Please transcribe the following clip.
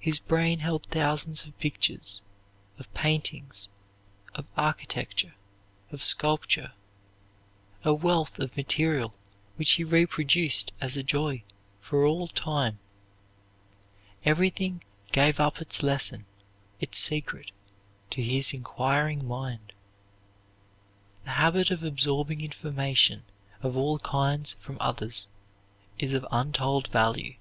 His brain held thousands of pictures of paintings, of architecture, of sculpture, a wealth of material which he reproduced as a joy for all time. Everything gave up its lesson, its secret, to his inquiring mind. The habit of absorbing information of all kinds from others is of untold value.